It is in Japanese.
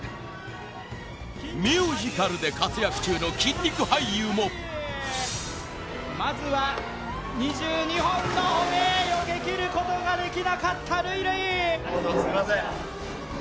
ミュージカルで活躍中の筋肉俳優もまずは２２本の骨よけきることができなかったるいるいどうもすいません